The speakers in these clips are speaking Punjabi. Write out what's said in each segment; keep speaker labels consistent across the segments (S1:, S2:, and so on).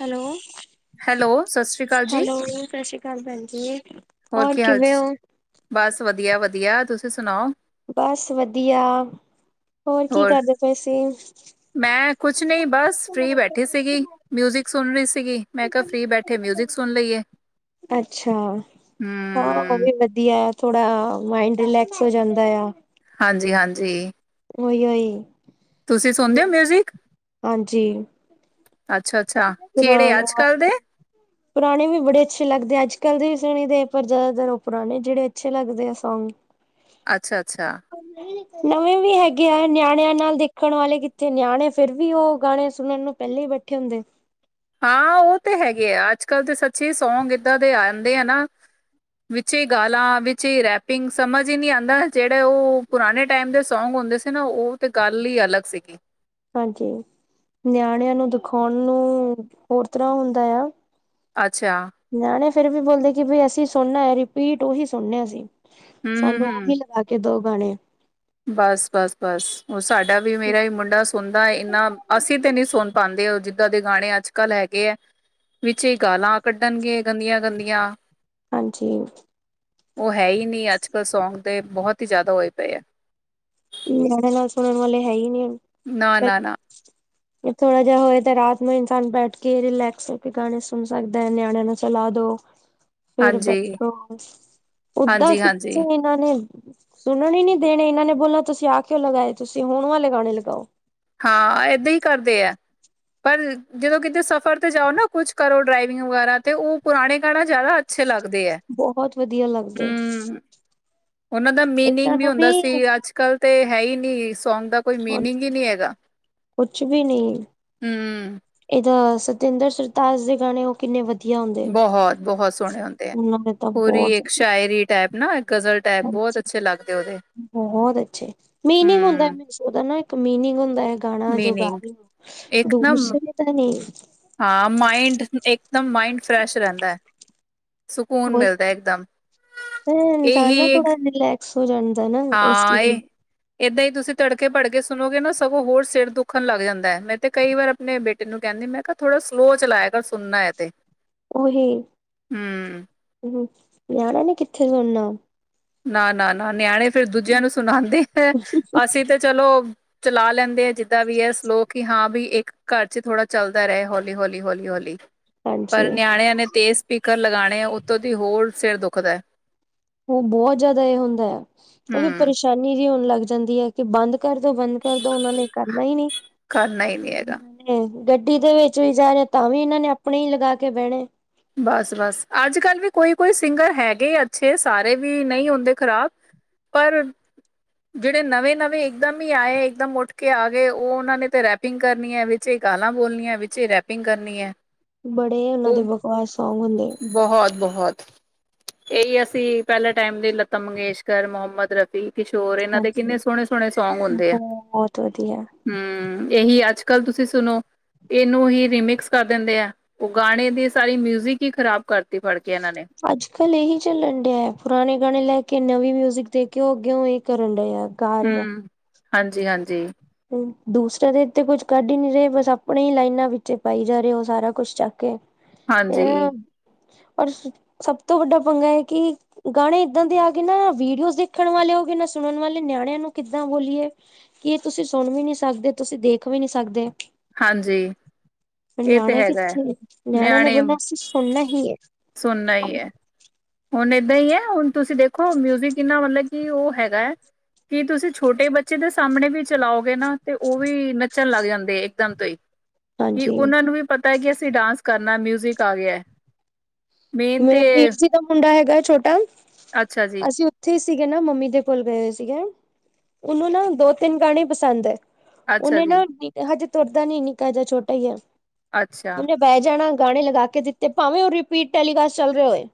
S1: ਹੈਲੋ।
S2: ਹੈਲੋ, ਸਤਿ ਸ੍ਰੀ ਅਕਾਲ ਜੀ।
S1: ਹੈਲੋ ਸਤਿ ਸ਼੍ਰੀ ਅਕਾਲ ਭੈਣ ਜੀ।
S2: ਹੋਰ ਕੀ ਹਾਲ
S1: ਕਿਵੇਂ
S2: ਚ
S1: ਹੋ?
S2: ਬਸ ਵਧੀਆ, ਵਧੀਆ ਤੁਸੀਂ ਸੁਣਾਓ।
S1: ਬਸ ਵਧੀਆ ਹੋਰ ਕੀ ਕਰਦੇ ਪੇ ਸੀ
S2: ਮੈਂ ਕੁਛ ਨਹੀਂ ਬਸ ਫਰੀ ਬੈਠੀ ਸੀਗੀ ਮਿਊਜਿਕ ਸੁਣ ਰਹੀ ਸੀਗੀ ਮੈਂ ਕਿਹਾ ਫਰੀ ਬੈਠੇ ਮਿਊਜਿਕ ਸੁਣ ਲਈਏ।
S1: ਅੱਛਾ ਹਾਂ ਉਹ
S2: ਹੂੰ,
S1: ਵੀ ਵਧੀਆ ਏ। ਥੋੜ੍ਹਾ ਆ ਮਾਇੰਡ ਰਿਲੈਕਸ ਹੋ ਜਾਂਦਾ ਆ।
S2: ਹਾਂਜੀ - ਹਾਂਜੀ
S1: ਉਓਹੀ।
S2: ਤੁਸੀਂ ਸੁਣਦੇ ਹੋ ਮਿਊਜਿਕ?
S1: ਹਾਂਜੀ
S2: ਅੱਛਾ - ਅੱਛਾ ਕਿਹੜੇ
S1: ਪੁਰਾਣੇ
S2: ਅੱਜ ਕਲ
S1: ਵਾਲੇ
S2: ਦੇ?
S1: ਪੁਰਾਣੇ ਵੀ ਬੜੇ ਅੱਛੇ ਲੱਗਦੇ ਆ ਅੱਜ ਕੱਲ੍ਹ ਦੇ ਵੀ ਸੁਣੇਦੇ ਪਰ ਜ਼ਿਆਦਾਤਰ ਉਹ ਪੁਰਾਣੇ ਜਿਹੜੇ ਅੱਛੇ ਲੱਗਦੇ ਆ ਸੌਂਗ। [inaudible]
S2: ਅੱਛਾ - ਅੱਛਾ
S1: ਨਵੇਂ ਵੀ ਹੈਗੇ ਆ ਨਿਆਣਿਆਂ ਨਾਲ ਦੇਖਣ ਵਾਲੇ ਕਿੱਥੇ ਨਿਆਣੇ ਫਿਰ ਵੀ ਉਹ ਗਾਣੇ ਸੁਣਨ ਨੂੰ ਪਹਿਲੇ ਹੀ ਬੈਠੇ ਹੁੰਦੇ।
S2: ਹਾਂ ਉਹ ਤੇ ਹੈਗੇ ਆ ਅੱਜ ਕੱਲ੍ਹ ਤਾਂ ਸੱਚੇ ਸੌਂਗ ਇੱਦਾਂ ਦੇ ਆਂਦੇ ਆ ਨਾ। ਵਿੱਚ ਹੀ ਗਾਲਾਂ ਵਿੱਚ ਹੀ ਰੈਪਿੰਗ ਸਮਝ ਹੀ ਨਹੀਂ ਆਉਂਦਾ ਜਿਹੜਾ ਉਹ ਪੁਰਾਣੇ ਟਾਈਮ ਦੇ ਸੌਂਗ ਹੁੰਦੇ ਸੀ ਨਾ ਉਹ ਤੇ ਗੱਲ ਹੀ ਅਲੱਗ ਸੀਗੀ।
S1: ਹਾਂਜੀ ਨਿਆਣਿਆਂ ਨੂੰ ਦਿਖਾਉਣ ਨੂੰ ਹੋਰ ਤਰਾਂ ਹੁੰਦਾ ਆ।
S2: ਅੱਛਾ।
S1: ਨਿਆਣੇ ਫਿਰ ਵੀ ਬੋਲਦੇ ਕਿ ਬਈ ਅਸੀਂ ਸੁਣਨਾ ਹੈ ਰਿਪੀਟ ਉਹੀ ਸੁਣਨਾ ਅਸੀਂ। ਸਾਨੂੰ ਉਹ ਵੀ ਲਗਾ ਕੇ ਦੋ ਗਾਣੇ।
S2: ਬਸ -ਬਸ -ਬਸ ਉਹ ਸਾਡਾ ਵੀ ਮੇਰਾ ਹੀ ਮੁੰਡਾ ਸੁਣਦਾ ਇੰਨਾ ਅਸੀਂ ਤੇ ਨੀ ਸੁਣ ਪਾਉਂਦੇ ਹੋ ਜਿੱਦਾਂ ਦੇ ਗਾਣੇ ਅੱਜ ਕੱਲ ਹੈਗੇ ਹੈ। ਵਿੱਚ ਹੀ ਗਾਲਾਂ ਕੱਢਣਗੇ ਗੰਦੀਆਂ -ਗੰਦੀਆਂ।
S1: ਹਾਂਜੀ।
S2: ਉਹ ਹੈ ਹੀ ਨਹੀਂ ਅੱਜ ਕੱਲ੍ਹ ਸੌਂਗ ਦੇ ਬਹੁਤ ਹੀ ਜ਼ਿਆਦਾ ਹੋਏ ਪਏ ਹੈ।
S1: ਨਿਆਣੇ ਨਾਲ ਸੁਣਨ ਵਾਲੇ ਹੈ ਹੀ ਨੀ ਹੁਣ।
S2: ਨਾ -ਨਾ -ਨਾ।
S1: [inaudible] ਥੋੜਾ ਜਿਹਾ ਹੋਏ ਤਾਂ ਰਾਤ ਨੂੰ ਇਨਸਾਨ ਬੈਠ ਕੇ ਰਿਲੈਕਸ ਹੋ ਕੇ ਗਾਣੇ ਸੁਣ ਸਕਦਾ ਹੈ ਨਿਆਣਿਆਂ ਨੂੰ ਚਲਾ ਦੋ। ਫਿਰ
S2: ਹਾਂਜੀ,
S1: ਬੈਠੋ। ਓਦਾਂ
S2: ਹਾਂਜੀ-ਹਾਂਜੀ
S1: ਕਿੱਚੇ ਇਹਨਾਂ ਨੇ ਸੁਣਨ ਹੀ ਨੀ ਦੇਣੇ ਇਹਨਾਂ ਨੇ ਬੋਲਾਂ ਤੁਸੀਂ ਆ ਕਿਓ ਲਗਾਏ ਤੁਸੀਂ ਹੁਣ ਵਾਲੇ ਗਾਣੇ ਲਗਾਓ।
S2: ਹਾਂ, ਏਦਾਂ ਹੀ ਕਰਦੇ ਆ। ਪਰ ਜਦੋਂ ਕਿਤੇ ਸਫ਼ਰ ਤੇ ਜਾਓ ਨਾ ਕੁਛ ਕਰੋ ਡਰਾਈਵਿੰਗ ਵਗੈਰਾ ਤੇ ਉਹ ਪੁਰਾਣੇ ਗਾਣਾ ਜ਼ਿਆਦਾ ਅੱਛੇ ਲੱਗਦੇ ਹੈ।
S1: ਬਹੁਤ ਵਧੀਆ ਲੱਗਦੇ
S2: ਹੂ ਉਹਨਾਂ ਦਾ
S1: ਇਹਨਾਂ
S2: ਮੀਨਿੰਗ ਵੀ
S1: ਨੂੰ
S2: ਹੁੰਦਾ ਸੀ ਅੱਜ ਕੱਲ੍ਹ ਤੇ ਹੈ ਹੀ ਨਹੀਂ ਸੌਂਗ ਦਾ ਕੋਈ ਮੀਨਿੰਗ ਹੀ ਨਹੀਂ ਹੈਗਾ।
S1: ਕੁਛ ਵੀ ਨਹੀਂ
S2: ਹੂ
S1: ਇਹਦਾ ਸਤਿੰਦਰ ਸਰਤਾਸ ਦੇ ਗਾਣੇ ਕਿਣੇ ਵਧੀਆ ਹੁੰਦੇ।
S2: ਬਹੁਤ - ਬਹੁਤ ਸੋਹਣੇ ਹੁੰਦੇ ਹੈ।
S1: ਉਹਨਾਂ ਦੇ ਤਾਂ
S2: ਪੂਰੀ ਇੱਕ ਸ਼ਾਇਰੀ ਟਾਈਪ ਨਾ ਗਜ਼ਲ ਟਾਈਪ ਬਹੁਤ
S1: ਅੱਛਾ।
S2: ਅੱਛੇ ਲੱਗਦੇ ਉਹਦੇ
S1: ਬਹੁਤ ਅੱਛੇ, ਮੀਨਿੰਗ ਹੁੰਦਾ।
S2: ਹੂੰ
S1: ਉਹਦਾ ਨਾ ਇੱਕ ਮੀਨਿੰਗ ਹੁੰਦਾ ਹੈ ਗਾਣਾ ਜੋ ਗਾ
S2: ਮੀਨਿੰਗ
S1: ਰਹੇਓ
S2: ਇੱਕਦਮ
S1: ਦੂਸਰੇ ਤਾਂ ਨਹੀਂ।
S2: ਹਾਂ, ਮਾਇੰਡ ਇੱਕਦਮ ਮਾਇੰਡ ਫਰੈਸ਼ ਰਹਿੰਦਾ ਹੈ। ਸਕੂਨ
S1: ਉਹੀ
S2: ਮਿਲਦਾ ਇੱਕਦਮ। ਇਹੀ
S1: ਸੋ ਜਾਂਦਾ ਨਾ, ਉਸ
S2: ਹਾਂ
S1: ਚੀਜ਼ ਨੂੰ
S2: ਇਹ ਏਦਾਂ ਹੀ ਤੁਸੀਂ ਤੜਕੇ- ਭੜਕੇ ਸੁਣੋਗੇ ਨਾ ਸਗੋਂ ਹੋਰ ਸਿਰ ਦੁੱਖਣ ਲੱਗ ਜਾਂਦਾ ਹੈ ਮੈਂ ਤੇ ਕਈ ਵਾਰ ਆਪਣੇ ਬੇਟੇ ਤੈਨੂੰ ਕਹਿੰਦੀ ਮੈਂ ਕਿਹਾ ਥੋੜਾ ਸਲੋ ਚਲਾਇਆ ਕਰ ਸੁਣਨਾ ਏ ਤੇ।
S1: ਉਓਹੀ,
S2: ਹੂੰ
S1: ਹਾਂ ਨਿਆਣੇ ਨੇ ਕਿੱਥੇ ਸੁਣਨਾ।
S2: ਨਾ -ਨਾ -ਨਾ ਨਿਆਣੇ ਫਿਰ ਦੂਜਿਆਂ ਨੂੰ ਸੁਣਾਉਂਦੇ ਹੈ ਅਸੀਂ ਤੇ ਚਲੋ। ਚਲਾ ਲੈਂਦੇ ਆ ਜਿੱਦਾਂ ਵੀ ਹੈ ਸਲੋ ਹੀ ਹਾਂ ਵੀ ਇੱਕ ਘਰ ਚ' ਥੋੜਾ ਚੱਲਦਾ ਰਹਾ ਹੌਲੀ- ਹੌਲੀ- ਹੌਲੀ- ਹੌਲੀ।
S1: ਹਾਂਜੀ
S2: ਪਰ ਨਿਆਣਿਆਂ ਨੇ ਤੇਜ਼ ਸਪੀਕਰ ਲਗਾਉਣੇ ਹੈ ਉੱਤੋਂ ਦੀ ਹੋਰ ਸਿਰ ਦੁਖਦਾ ਹੈ।
S1: ਉਹ ਬਹੁਤ ਜ਼ਿਆਦਾ ਇਹ ਹੁੰਦਾ ਹੈ। ਕਿਉਂਕਿ
S2: ਹੂੰ
S1: ਪਰੇਸ਼ਾਨੀ ਜ ਹੋਣ ਲੱਗ ਜਾਂਦੀ ਹੈ ਕਿ ਬੰਦ ਕਰਦੋ ਬੰਦ ਕਰਦੋ ਉਹਨਾ ਨੇ ਕਰਨਾ ਹੀ ਨੀ।
S2: ਕਰਨਾ ਹੀ ਨੀ ਹੈਗਾ।
S1: ਗੱਡੀ ਦੇ ਵਿੱਚ ਵੀ ਜਾਣੇ ਤਾਂ ਵੀ ਇਹਨਾਂ ਨੇ ਆਪਣੇ ਹੀ ਲਗਾ ਕੇ ਬਹਿਣੇ।
S2: ਬਸ- ਬਸ ਅੱਜ ਕੱਲ੍ਹ ਵੀ ਕੋਈ ਕੋਈ ਸਿੰਗਰ ਹੈਗੇ ਅੱਛੇ ਸਾਰੇ ਵੀ ਨਹੀਂ ਹੁੰਦੇ ਖ਼ਰਾਬ। ਪਰ ਜਿਹੜੇ ਨਵੇਂ- ਨਵੇਂ ਇੱਕਦਮ ਹੀ ਆਏ ਇਕਦਮ ਉੱਠ ਕੇ ਆ ਗਏ ਉਹ ਉਹਨਾਂ ਨੇ ਤੇ ਰਹਿ ਪਿੰਗ ਕਰਨੀ ਹੈ ਵਿੱਚ ਇਹ ਗਾਲਾਂ ਬੋਲਣੀਆਂ ਵਿੱਚ ਇਹ ਰੈਪਿੰਗ ਕਰਨੀ ਹੈ।
S1: ਬੜੇ ਉਹਨਾਂ ਦੇ ਬਕਵਾਸ ਸੌਗ ਹੁੰਦੇ। ਨੇ।
S2: ਬਹੁਤ- ਬਹੁਤ। ਇਹੀ ਅਸੀਂ ਪਹਿਲੇ ਟਾਈਮ ਦੇ ਲਤਾ ਮੰਗੇਸ਼ਕਰ, ਮੁਹੰਮਦ ਰ ਕੁਛ ਹੋਰ ਇਹਨਾਂ ਦੇ
S1: ਹਾਂਜੀ,
S2: ਕਿੰਨੇ ਸੋਹਣੇ- ਸੋਹਣੇ ਸੌਗ ਹੁੰਦੇ ਆ।
S1: ਬਹੁਤ ਵਧੀਆ।
S2: ਹੂ, ਇਹੀ ਅੱਜ ਕੱਲ੍ਹ ਤੁਸੀਂ ਸੁਣੋ। ਇਹਨੂੰ ਹੀ ਰੀਮਿਕਸ ਕਰ ਦਿੰਦੇ ਆ। ਉਹ ਗਾਣੇ ਦੀ ਸਾਰੀ ਮਿਊਜ਼ ਕੀ ਖਰਾਬ ਕਰਤੀ ਫੜ ਕੇ ਇਹਨਾਂ ਨੇ।
S1: ਅੱਜ ਕੱਲ ਇਹੀ ਚੱਲਣ ਡਿਆ ਹੈ ਪੁਰਾਣੇ ਗਾਣੇ ਲੈ ਕੇ ਨਵੀਂ ਮਿਊਜਿਕ ਦੇਖਿਓ ਅੱਗੇਓ ਇਹ ਕਰਨ ਡਿਆ ਯਾਰ।
S2: ਹਮ ਹਾਂਜੀ ਹਾਂਜੀ।
S1: ਦੂਸਰਾ ਦੇ ਤੇ ਕੁਛ ਕੱਢ ਹੀ ਨੀ ਰਹੇ, ਬਸ ਆਪਣੇ ਹੀ ਲਾਈਨਾਂ ਵਿੱਚ ਪਾਈ ਜਾ ਰਹੇ ਹੋ ਸਾਰਾ ਕੁਛ ਚੱਕ ਕੇ।
S2: ਹਾਂਜੀ,
S1: ਇਹ
S2: ਹਾਂਜੀ
S1: ਔਰ ਸਭ ਤੋਂ ਵੱਡਾ ਪੰਗਾ ਏ ਕਿ ਗਾਣੇ ਇਦਾਂ ਦੇ ਆ ਗਏ ਨਾ, ਵੀਡੀਓ ਦੇਖਣ ਵਾਲੇ ਹੋ ਗਏ ਨਾ ਸੁਣਨ ਵਾਲੇ ਨਿਆਣਿਆਂ ਨੂੰ ਕਿੱਦਾਂ ਬੋਲੀਏ। ਕਿ ਇਹ ਤੁਸੀਂ ਸੁਣ ਵੀ ਨੀ ਸਕਦੇ, ਤੁਸੀਂ ਦੇਖ ਵੀ ਨੀ ਸਕਦੇ।
S2: ਹਾਂਜੀ। ਏ ਤੇ
S1: ਨਿਆਣੇ
S2: ਹੈਗਾ ਹੈ,
S1: ਕਿੱਥੇ ਨੇ
S2: ਨਿਆਣੇ
S1: ਬੋਲਣਾ ਅਸੀਂ ਸੁਣਨਾ ਹੀ ਹੈ।
S2: ਸੁਣਨਾ ਹੀ ਹੈ। ਹੁਣ ਏਦਾਂ ਈ ਏ, ਹੁਣ ਤੁਸੀਂ ਦੇਖੋ ਮਿਊਜ਼ਿਕ ਕਿੰਨਾ ਮਤਲਬ ਉਹ ਹੈਗਾ ਹੈ। ਕੀ ਤੁਸੀਂ ਛੋਟੇ ਬੱਚੇ ਦੇ ਸਾਮਣੇ ਵੀ ਚਲਾਓਗੇ ਨਾ, ਤੇ ਉਹ ਵੀ ਨੱਚਣ ਲੱਗ ਜਾਂਦੇ ਇੱਕ ਦਮ ਤੋਂ ਹੀ। ਕਿ
S1: ਹਾਂਜੀ
S2: ਉਹਨਾਂ ਨੂੰ ਵੀ ਪਤਾ ਏ ਕਿ ਅਸੀਂ ਡਾਂਸ ਕਰਨਾ ਮਿਊਜ਼ਿਕ ਆ ਗਿਆ ਹੈ। ਮੇਨ ਤੇ
S1: ਮੇਰੇ ਵੀਰ ਜੀ ਦਾ ਮੁੰਡਾ ਹੈਗਾ ਛੋਟਾ
S2: ਅੱਛਾ ਜੀ।
S1: ਅਸੀਂ ਉੱਥੇ ਸੀਗੇ ਨਾ, ਮੰਮੀ ਦੇ ਕੋਲ ਗਏ ਸੀਗੇ ਉਹਨੂੰ ਨਾ ਦੋ ਤਿੰਨ ਗਾਣੇ ਪਸੰਦ ਏ।
S2: ਅੱਛਾ
S1: ਉਹਨੇ ਨਾ
S2: ਜੀ,
S1: ਹਜੇ ਤੁਰਦਾ ਨੀ ਨਿੱਕਾ ਜ ਛੋਟਾ ਈ ਆ।
S2: ਅੱਛਾ।
S1: ਪੈ ਜਾਣਾ ਗਾਣੇ ਲਗਾ ਕੇ ਜਿੱਥੇ ਪਾਵੇਂ ਉਹ ਰਿਪੀਟ ਟੈਲੀਕਾਸਟ ਚੱਲ ਰਹੇ ਹੋਏ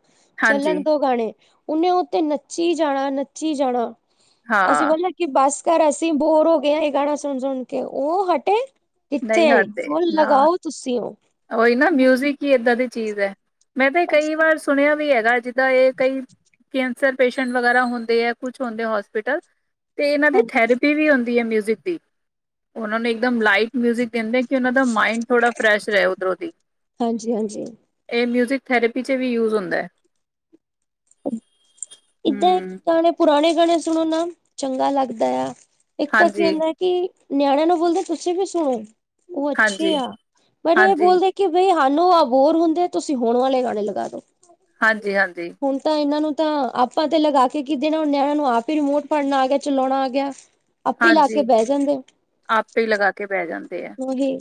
S2: ਹਾਂਜੀ,
S1: ਚੱਲਣ ਦੋ ਗਾਣੇ। ਉਹਨੇ ਉਤੇ ਨੱਚੀ ਜਾਣਾ - ਨੱਚੀ ਜਾਣਾ ਅਸੀਂ
S2: ਹਾਂ
S1: ਬੋਲ ਬਸ ਕਰ ਅਸੀਂ ਬੋਰ ਹੋ ਗਏ ਆ ਇਹ ਗਾਣਾ ਸੁਣ - ਸੁਣ ਕੇ ਉਹ ਹਟੇ ਕਿੱਥੇ
S2: ਨਹੀਂ ਹਟਦੇ
S1: ਉਹ
S2: ਨਾ
S1: ਲਗਾਓ ਤੁਸੀਂ ਔ।
S2: ਕੀ ਏਦਾਂ ਦੀ ਚੀਜ਼ ਏ ਮੈਂ ਤੇ ਕਈ ਵਾਰ ਸੁਣਿਆ ਵੀ ਹੈਗਾ ਜਿੱਦਾਂ ਏ ਕਈ ਕੈਂਸਰ ਪੇਸ਼ੈਂਟ ਵਗੈਰਾ ਹੁੰਦੇ ਆ ਕੁਛ ਹੁੰਦੇ ਹੋਸਪੀਟਲ ਤੇ ਇਹਨਾਂ ਦੀ
S1: ਹਾਂਜੀ
S2: ਥੈਰੇਪੀ ਵੀ ਹੁੰਦੀ ਏ ਮਿਊਜਿਕ ਦੀ ਉਹਨਾਂ ਨੂ ਇਕਦਮ ਲਾਈਟ ਮਿਊਜ਼ਿਕ ਦਿੰਦੇ ਆ ਕਿ ਉਹਨਾਂ ਦਾ ਮਾਇੰਡ ਥੋੜਾ ਫਰੈਸ਼ ਰਹੇ ਉਧਰੋਂ ਦੀ।
S1: ਹਾਂਜੀ ਹਾਂਜੀ
S2: ਇਹ ਮਿਊਜ਼ਿਕ ਥੈਰੇਪੀ ਚ ਵੀ ਯੂਜ ਹੁੰਦਾ ਏ।
S1: ਇਦਾਂ ਹੈ ਕਿ
S2: ਹੂੰ,
S1: ਗਾਣੇ ਪੁਰਾਣੇ ਗਾਣੇ ਸੁਣਨ ਨਾਲ ਚੰਗਾ ਲੱਗਦਾ ਆ। ਇੱਕ ਤਾਂ ਕੀ
S2: ਹਾਂਜੀ,
S1: ਹੁੰਦਾ ਹੈ ਕਿ ਨਿਆਣਿਆਂ ਨੂੰ ਬੋਲਦੇ ਆ ਤੁਸੀਂ ਵੀ ਸੁਣੋ। ਉਹ ਅੱਛੇ
S2: ਹਾਂਜੀ,
S1: ਆ ਪਰ ਏ
S2: ਹਾਂਜੀ,
S1: ਬੋਲਦੇ ਕਿ ਬਈ ਹਾਨੂੰ ਆ ਅਬੋਰ ਹੁੰਦੇ ਆ ਤੁਸੀਂ ਹੁਣ ਵਾਲੇ ਗਾਣੇ ਲਗਾ ਦੋ।
S2: ਹਾਂਜੀ - ਹਾਂਜੀ।
S1: ਹੁਣ ਤਾਂ ਇਹਨਾਂ ਨੂੰ ਤਾਂ ਆਪਾਂ ਤੇ ਲਗਾ ਕੇ ਕਿ ਦੇਣਾ ਨਿਆਣ ਨੂੰ ਆਪ ਹੀ ਰਿਮੋਟ ਫੜਨਾ ਆ ਗਿਆ ਚਲਾਉਣਾ ਆ ਗਿਆ। ਆਪੇ ਈ ਲਾ ਕੇ
S2: ਹਾਂਜੀ
S1: ਬਹਿ ਜਾਂਦੇ ਆ
S2: ਆਪੇ ਹੀ ਲਗਾ ਕੇ ਬਹਿ ਜਾਂਦੇ ਆ।
S1: ਉਹੀ।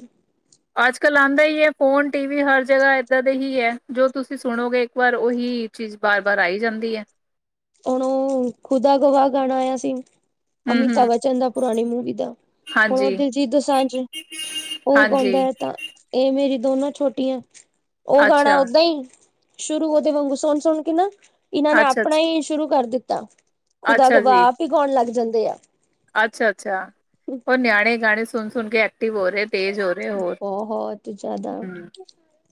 S2: ਅੱਜ - ਕੱਲ ਆਂਦਾ ਹੀ ਹ ਫੋਨ ਟੀ ਵੀ ਹਰ ਜਗਹਾ ਏਦਾਂ ਦੇ ਹੀ ਹੈ ਜੋ ਤੁਸੀਂ ਸੁਣੋਗੇ ਇੱਕ ਵਾਰ ਉਹੀ ਚੀਜ਼ ਬਾਰ - ਬਾਰ ਆਈ ਜਾਂਦੀ ਹ।
S1: ੳਨੂੰ ਖੁਦਾ ਗਵਾਹ ਗਾਣਾ ਆਇਆ ਸੀ।
S2: ਹੂੰ
S1: ਅਮਿਤਾ
S2: ਹੂੰ
S1: ਬਚਨ ਦਾ ਪੁਰਾਣੀ ਮੂਵੀ ਦਾ ਹੁਣ
S2: ਹਾਂਜੀ
S1: ਦਿਲਜੀਤ ਦੋਸਾਂਝ। ਓ
S2: ਹਾਂਜੀ
S1: ਗੌਦਾ ਤਾਂ ਏ ਮੇਰੀ ਦੋਨਾਂ ਛੋਟੀਆਂ ਓ ਗਾਣਾ
S2: ਅੱਛਾ
S1: ਓਦਾਂ ਈ ਸ਼ੁਰੂ ਉਦੇ ਵਾਂਗੂ ਸੋਣ-ਸੋਣ ਕੇ ਨਾ ਇਨਾਂ ਨੇ
S2: ਅੱਛਾ
S1: ਆਪਣਾ
S2: ਅੱਛਾ
S1: ਈ ਸ਼ੁਰੂ ਕਰ ਦਿੱਤਾ। ਖੁਦਾ
S2: ਅੱਛਾ ਜੀ
S1: ਗਵਾਹ ਆਪ ਈ ਗਾੳਣ ਲੱਗ ਜਾਂਦੇ ਆ।
S2: ਅੱਛਾ - ਅੱਛਾ, ਹੁਣ ਨਿਆਣੇ ਗਾਣੇ ਸੁਣ-ਸੁਣ ਕੇ ਐਕਟਿਵ ਹੋ ਰਏ, ਤੇਜ਼ ਹੋ ਰ
S1: ਬਹੁਤ ਜਾਂਦਾ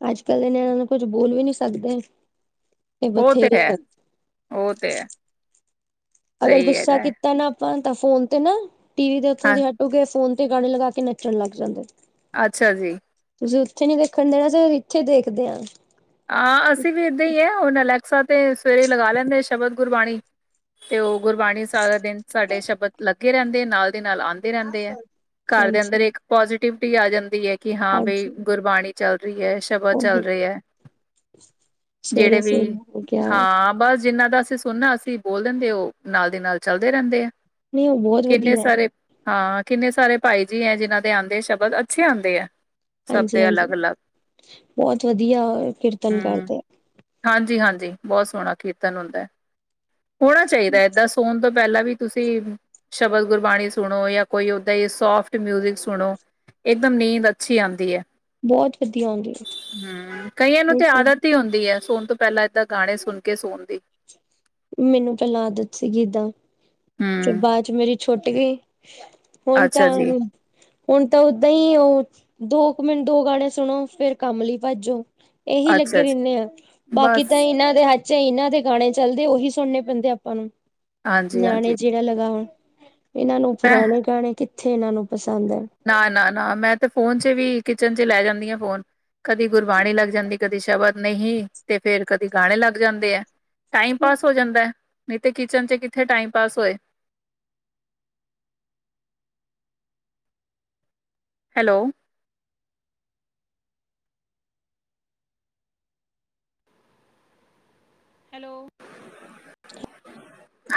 S1: ਅੱਜ-ਕੱਲ ਦੇ ਨਿਆਣੇਆਂ ਨੂੰ ਕੁੱਛ ਬੋਲ ਵੀ ਨੀ ਸਕਦੇ। ਇਹ
S2: ਉਹ ਤੇ
S1: ਬਥੇਰੇ
S2: ਹੈ, ਉਹ ਤੇ ਐ।
S1: ਅਗਰ ਗੁੱਸਾ ਕੀਤਾ ਨਾ ਆਪਾਂ ਤਾਂ ਫੋਨ ਤੇ ਨਾ ਟੀ ਵੀ ਦੇ ਉੱਥੋਂ
S2: ਹਾਂ
S1: ਹਟ ਅ ਉ ਕਏ ਫੋਨ ਤੇ ਗਾਣੇ ਲਗਾ ਕੇ ਨੱਚਣ ਲੱਗ ਜਾਂਦੇ।
S2: ਅੱਛਾ ਜੀ।
S1: ਤੁਸੀਂ ਉੱਥੇ ਨੀ ਵੇਖਣ ਦੇਣਾ ਅਸੀਂ ਇੱਥੇ ਵੇਖਦੇ ਆਂ।
S2: ਹਾਂ, ਅਸੀਂ ਵੀ ਇੱਦਾਂ ਈ ਐ, ਹੁਣ ਅਲੈਕਸਾ ਤੇ ਸਵੇਰੇ ਈ ਲਗਾ ਲੈਂਨੇ ਐ ਸ਼ਬਦ-ਗੁਰਬਾਣੀ। ਤੇ ਓਹ ਗੁਰਬਾਣੀ ਸਾਰਾ ਦਿਨ, ਸਾਡੇ ਸ਼ਬਦ ਲੱਗੇ ਰੈੰਦੇ ਏ ਨਾਲ। ਤੇ ਨਾਲ ਆੰਦੇ ਰੈੰਦੇ ਐ, ਘੱਰ ਦੇ
S1: ਹਾਂਜੀ
S2: ਅੰਦਰ ਏਕ ਪੋਜੀਟਿਵਿਟੀ ਆ ਜਾਂਦੀ ਐ। ਕਿ ਹਾਂ ਬਈ
S1: ਹਾਂਜੀ
S2: ਗੁਰਬਾਣੀ ਚੱਲ ਰੀ ਐ, ਸ਼ਬਦ ਚੱਲ
S1: ਉਹੀ
S2: ਰਏ ਐ।
S1: [inaudible]
S2: ਜੇੜੇ ਵੀ
S1: ਸਵੇਰੇ ਹੋ ਗਿਆ
S2: ਹਾਂ ਬਸ ਜਿੰਨਾ ਦਾ ਅਸੀਂ ਸੁਣਨਾ, ਅਸੀਂ ਬੋਲ ਦਿੰਦੇ ਓ ਨਾਲ ਦੀ ਨਾਲ ਚਲਦੇ ਰੈੰਦੇ ਐ।
S1: ਨਹੀਂ ਉਹ ਬਹੁਤ
S2: ਕਿੰਨੇ
S1: ਵਧੀਆ ਹੈ।
S2: ਸਾਰੇ ਹਾਂ, ਕਿੰਨੇ ਸਾਰੇ ਭਾਈ ਜੀ ਐ ਜਿਨਾਂ ਦੇ ਆੰਦੇ ਐ ਸ਼ਬਦ, ਅੱਛੇ ਆੰਦੇ ਐ।
S1: ਹਾਂਜੀ ਹਾਂਜੀ, ਬਹੁਤ ਵਧੀਆ ਐ ਕਿਰਤ
S2: ਹੂ, ਹਾਂਜੀ-ਹਾਂਜੀ, ਬਹੁਤ ਸੋਣਾ ਕੀਰਤਨ ਹੁੰਦੈ। ਹੋਣਾ ਚਾਈਦਾ ਐ, ਏਦਾਂ ਸੋਣ ਤੋਂ ਪੈਹਲਾਂ ਵੀ ਤੁਸੀਂ ਸ਼ਬਦ ਗੁਰਬਾਣੀ ਸੁਣੋ ਯਾ ਕੋਈ ਓਦਾਂ ਈ ਸੋਫਟ ਮਿਊਜਿਕ ਸੁਣੋ। ਇਕਦਮ ਨੀਂਦ ਅੱਛੀ ਆੰਦੀ ਐ।
S1: ਬਹੁਤ ਵਧੀਆ ਆਉੰਦੀ ਐ।
S2: ਕਈਆਂ ਨੂੰ ਤੇ ਆਦਤ ਹੀ ਹੁੰਦੀ ਐ, ਸੋਣ ਤੋਂ ਪੈਲਾਂ ਏਦਾਂ ਗਾਣੇ ਸੁਣ ਕੇ ਸੋਣ ਦੀ।
S1: ਮੈਨੂੰ ਪੈਹਲਾਂ ਆਦਤ ਸੀਗੀ ਏਦਾਂ। ਤੇ
S2: ਹੂੰ
S1: ਬਾਦ ਚ ਮੇਰੀ ਛੁਟ ਗਈ, ਹੁਣ ਤਾਂ
S2: ਅੱਛਾ ਜੀ
S1: ਹੁਣ ਤਾਂ ਓਦਾਂ ਈ ਓਹ ਦੋ ਕੁ ਮਿੰਟ ਦੋ ਗਾਣੇ ਸੁਣੋ, ਫੇਰ ਕੰਮ ਲਈ ਭੱਜ ਜੋ। ਏਹੀ ਲੱਗੇ
S2: ਅੱਛਾ ਜੀ
S1: ਰੈਹਣੇ ਆਂ, ਬਾਕੀ ਤਾਂ
S2: ਬਸ
S1: ਇਨਾਂ ਦੇ ਹੱਥ ਚ ਇਨਾਂ ਦੇ ਗਾਣੇ ਚੱਲਦੇ, ਓਹੀ ਸੁਣਨੇ ਪੈਂਦੇ ਆਪਾਂ ਨੂੰ।
S2: ਹਾਂਜੀ ਹਾਂਜੀ
S1: ਨਿਆਣੇ ਜੇੜਾ ਲਗਾ ਵਣ, ਏਨਾਂ ਨੂੰ
S2: ਮੈਂ
S1: ਪੁਰਾਣੇ ਗਾਣੇ ਕਿੱਥੇ ਐਨਾਂ ਨੂੰ ਪਸੰਦ ਐ।
S2: ਨਾ, ਨਾ, ਨਾ ਮੈਂ ਤੇ ਫੋਨ ਚ ਵੀ, ਕਿਚਨ ਚ ਲੈ ਜਾਂਦੀ ਆਂ ਫੋਨ। ਕਦੀ ਗੁਰਬਾਣੀ ਲੱਗ ਜਾਂਦੀ, ਕਦੀ ਸ਼ਬਦ, ਨਹੀਂ ਤੇ ਫੇਰ ਕਦੀ ਗਾਣੇ ਲੱਗ ਜਾਂਦੇ ਐ। ਟਾਈਮ ਪਾਸ ਹੋ ਜਾਂਦਾ ਐ, ਨਹੀਂ ਤੇ ਕਿਚਨ ਚ ਕਿੱਥੇ ਟਾਈਮ ਪਾਸ ਹੋਏ। ਹੈਲੋ। ਹੈਲੋ।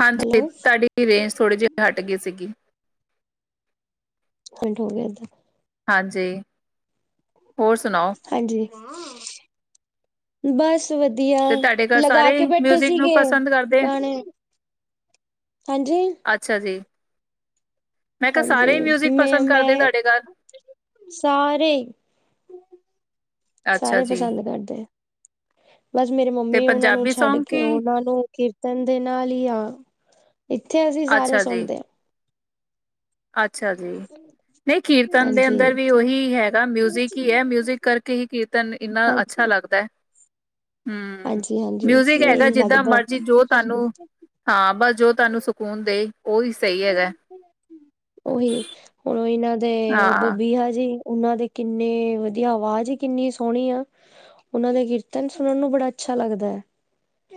S2: ਹਾਂਜੀ,
S1: ਹੈਲੋ
S2: ਤੁਹਾਡੀ ਵੀ ਰੇਂਜ ਥੋੜ੍ਹੀ ਜੀ ਘੱਟ ਗਈ ਸੀਗੀ।
S1: ਹੰਟ ਹੋ ਗਿਆ ਐਧਰ।
S2: ਹਾਂਜੀ, ਹੋਰ ਸੁਣਾਓ?
S1: ਹਾਂਜੀ। ਬਸ ਵਧੀਆ,
S2: ਤੇ ਤੁਹਾਡੇ ਘਰ
S1: ਲਗਾ
S2: ਸਾਰੇ
S1: ਕੇ ਬੈਠੇ
S2: ਮਿਊਜਿਕ ਨੂੰ
S1: ਸੀਗੇ
S2: ਪਸੰਦ ਕਰਦੇ ਆ?
S1: ਗਾਣੇ। ਹਾਂਜੀ।
S2: ਅੱਛਾ ਜੀ। ਮੈਂ ਕਿਹਾ
S1: ਹਾਂਜੀ,
S2: ਸਾਰੇ ਹੀ ਮਿਊਜਿਕ
S1: ਮੇ
S2: ਪਸੰਦ ਕਰਦੇ
S1: ਮੈਂ
S2: ਤੁਹਾਡੇ ਘਰ
S1: ਸਾਰੇ
S2: ਅੱਛਾ
S1: ਸਾਰੇ
S2: ਜੀ
S1: ਪਸੰਦ ਕਰਦੇ ਐ, ਬਸ ਮੇਰੇ
S2: ਤੇ
S1: ਮੰਮੀ ਉਨਾਂ ਨੂੰ
S2: ਪੰਜਾਬੀ
S1: ਛੱਡ
S2: ਸੌਂਗ
S1: ਕੇ
S2: ਕੀ
S1: ਓਨਾਂ ਨੂੰ ਕੀਰਤਨ ਦੇ ਨਾਲ ਹੀ ਆ, ਇੱਥੇ ਅਸੀਂ ਸਾਰੇ
S2: ਅੱਛਾ ਜੀ
S1: ਸੁਣਦੇ ਆਂ।
S2: ਅੱਛਾ ਜੀ, ਨਹੀਂ ਕੀਰਤਨ ਦੇ
S1: ਹਾਂਜੀ
S2: ਅੰਦਰ ਵੀ ਓਹੀ ਹੈਗਾ, ਮਿਊਜਿਕ ਹੀ ਐ ਮਿਊਜਿਕ ਕਰਕੇ ਹੀ ਕੀਰਤਨ ਇੰਨਾ ਅੱਛਾ
S1: ਹਾਂਜੀ
S2: ਲੱਗਦੈ।
S1: ਹਾਂਜੀ ਹਾਂਜੀ, ਉਸ ਮੇ
S2: ਹੈਗਾ
S1: ਹੀਂ
S2: ਜਿੱਦਾਂ
S1: ਲੱਗਦੈ।
S2: ਮਰਜੀ ਜੋ ਤੁਹਾਨੂੰ ਹਾਂ ਬਸ ਜੋ ਤੁਹਾਨੂੰ ਸਕੂਨ ਦੇ ਉਹੀ ਸਹੀ ਹੈਗਾ
S1: ਉਹੀ, ਹੁਣ ਇਹਨਾਂ ਦੇ ਉਹ
S2: ਹਾਂ
S1: ਬੱਬੀਹਾ ਜੀ ਉਹਨਾਂ ਦੇ ਕਿੰਨੇ ਵਧੀਆ, ਆਵਾਜ਼ ਈ ਕਿੰਨੀ ਸੋਹਣੀ ਆ ਉਹਨਾਂ ਦੇ ਕੀਰਤਨ ਸੁਣਨ ਨੂੰ ਬੜਾ ਅੱਛਾ ਲੱਗਦਾ ਹੈ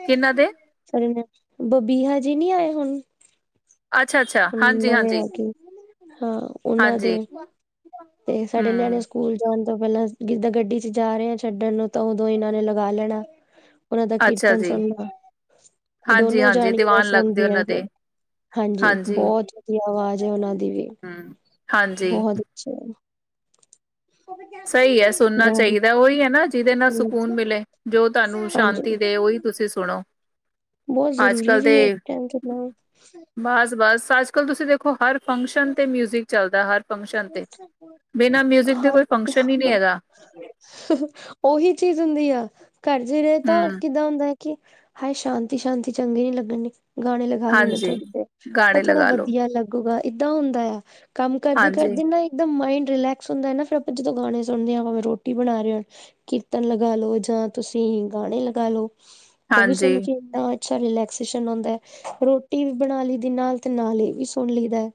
S2: ਕਿਹਨਾਂ ਦੇ
S1: ਬਬੀਹਾ ਜੀ ਨੀ ਆਏ ਹੁਣ
S2: ਅੱਛਾ ਅੱਛਾ ਹਾਂਜੀ
S1: ਨਵੇ
S2: ਹਾਂਜੀ
S1: ਰਾਗੀ, ਹਾਂ ਉਹਨਾਂ
S2: ਹਾਂਜੀ
S1: ਦੇ, ਤੇ ਸਾਡੇ ਨਿਆਣੇੂ ਸ
S2: ਹੂੰ,
S1: ਸਕੂਲ ਜਾਣ ਤੋਂ ਪਹਿਲਾਂ ਜਿੱਦਾਂ ਗੱਡੀ 'ਚ ਜਾ ਰਹੇ ਆ ਛੱਡਣ ਨੂੰ ਤਾਂ ਉਦੋਂ ਇਹਨਾਂ ਨੇ ਲਗਾ ਲੈਣਾ। ਉਹਨਾਂ ਦਾ
S2: ਅੱਛਾ
S1: ਕੀਰਤਨ
S2: ਜੀ,
S1: ਸੁਣਨਾ। ਦੋਨੋ
S2: ਹਾਂਜੀ-ਹਾਂਜੀ
S1: ਜਾਣੀਆਂ
S2: ਦੀਵਾਨ ਲੱਗਦੇ
S1: ਸੁਣਦੀਆਂ
S2: ਉਹਨਾਂ
S1: ਫਿਰ,
S2: ਦੇ
S1: ਹਾਂਜੀ ਬਹੁ ਬਹੁਤ ਵਧੀਆ ਅਵਾਜ਼ ਹੈ ਉਹਨਾਂ ਦੀ ਵੀ।
S2: ਹੂੰ। ਹਾਂਜੀ,
S1: ਬਹੁਤ ਅੱਛਾ।
S2: ਸਹੀ ਐ ਸੁਣਨਾ ਚਾਹੀਦਾ ਉਹੀ ਏ ਨਾ ਜਿਹਦੇ ਨਾ ਸਕੂਨ ਮਿਲੇ, ਜੋ ਤੁਹਾਨੂੰ ਸ਼ਾਂਤੀ
S1: ਹਾਂਜੀ
S2: ਦੇ ਉਹੀ ਤੁਸੀਂ ਸੁਣੋ।
S1: ਬਹੁਤ ਜ਼ਰੂਰੀ
S2: ਅੱਜ-ਕੱਲ ਦੇ
S1: ਵੀ ਹੈ [unintelligible]
S2: ਬਸ-ਬਸ ਅੱਜਕਲ ਤੁਸੀਂ ਦੇਖੋ ਹਰ ਫੰਕਸ਼ਨ ਤੇ ਮਿਊਜਿਕ ਚੱਲਦਾ ਹਰ ਫੰਕਸ਼ਨ ਤੇ, ਬਿਨਾਂ ਮਿਊਜਿਕ ਦੇ ਕੋਈ ਫੰਕਸ਼ਨ ਈ ਨੀ ਹੈਗਾ
S1: ਉਹੀ ਚੀਜ਼ ਹੁੰਦੀ ਆ। ਘਰ 'ਚ ਰਹੇ ਤਾਂ
S2: ਹੂੰ,
S1: ਕਿੱਦਾਂ ਹੁੰਦਾ ਹੈ ਕਿ ਹਾਏ ਸ਼ਾਂਤੀ-ਸ਼ਾਂਤੀ ਚੰਗੇ ਨੀ ਲਗਣੀ। ਗਾਣੇ ਲਗਾ ਲੈਣੇ
S2: ਹਾਂਜੀ।
S1: ਥੋੜੀ ਦੇਰ, ਉਹ
S2: ਗਾਣੇ
S1: ਥੋੜਾ
S2: ਲਗਾ ਲੋ
S1: ਵਧੀਆ ਲੱਗੂਗਾ ਏਦਾਂ ਹੁੰਦਾ ਆ ਕੰਮ ਕਰਦੇ-ਕਰਦੇ ਨਾ ਇੱਕਦਮ ਮਾਇੰਡ ਰਿਲੈਕਸ ਹੁੰਦਾ ਨਾ ਫਿਰ ਆਪਾਂ ਜਦੋਂ ਗਾਣੇ ਸੁਣਦੇ ਹਾਂ ਭਾਵੇਂ ਰੋਟੀ ਬਣਾ ਰਹੇ ਓ ਕੀਰਤਨ ਲਗਾ ਲੋ ਜਾਂ ਤੁਸੀਂ ਗਾਣੇ ਲਗਾ ਲੋ। ਉਹ ਵੀ
S2: ਹਾਂਜੀ-ਹਾਂਜੀ
S1: ਸੁਣਨ 'ਚ ਏਦਾਂ ਅੱਛਾ ਰਿਲੈਕਸੇਸ਼ਨ ਆਉਂਦਾ ਰੋਟੀ ਵੀ ਬਣਾ ਲਈ ਦੀ ਨਾਲ ਤੇ ਨਾਲੇ ਈ ਸੁਣ ਲਈਦਾ।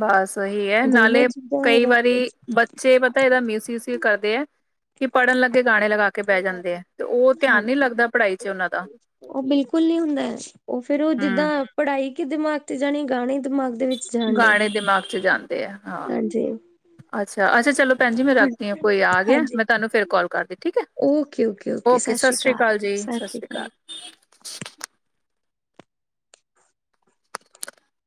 S2: ਬਸ ਸਹੀ ਐ
S1: ਦੋਨੋ
S2: ਨਾਲੇ
S1: ਚੀਜ਼ਾਂ ਹੋ
S2: ਕਈ
S1: ਜਾਂਦੀਆਂ
S2: ਵਾਰੀ, ਬ ਬੱਚੇ ਪਤਾ ਇਹਦਾ ਮਿਸ ਯੂਜ ਵੀ ਕਰਦੇ ਆ ਕਿ ਪੜ੍ਹਨ ਲੱਗੇ ਗਾਣੇ ਲਗਾ ਕੇ ਬਹਿ ਜਾਂਦੇ ਆ ਤੇ ਉਹ
S1: ਹਾਂ,
S2: ਧਿਆਨ ਨੀ ਲੱਗਦਾ ਪੜ੍ਹਾਈ ਚ ਉਹਨਾਂ ਦਾ
S1: ਉਹ ਬਿਲਕੁਲ ਨੀ ਹੁੰਦਾ ਉਹ ਫਿਰ ਉਹ
S2: ਹੂੰ,
S1: ਜਿੱਦਾਂ ਪੜ੍ਹਾਈ ਕਿ ਦਿਮਾਗ ਤੇ ਜਾਣੀ ਗਾਣੇ ਦਿਮਾਗ ਦੇ ਵਿੱਚ ਜਾਣ ਡੇ
S2: ਗਾਣੇ ਦਿਮਾਗ 'ਚ ਜਾਂਦੇ ਆ ਹਾਂ।
S1: ਹਾਂਜੀ
S2: ਅੱਛਾ, ਅੱਛਾ ਚਲੋ ਭੈਣ ਜੀ ਮੈਂ ਰੱਖਦੀ ਆ ਕੋਈ ਆ ਗਿਆ
S1: ਹਾਂਜੀ
S2: ਮੈਂ ਤੁਹਾਨੂੰ ਫੇਰ ਕਾਲ ਕਰਦੀ ਠੀਕ ਏ। ਓਕੇ ਸਤਿ ਸ੍ਰੀ ਅਕਾਲ ਜੀ, ਸਤਿ ਸ੍ਰੀ ਅਕਾਲ।